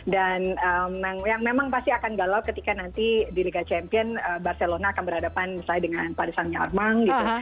dan yang memang pasti akan galau ketika nanti di liga champion barcelona akan berhadapan misalnya dengan paris saint germain gitu